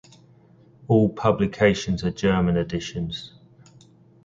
All publications are German editions.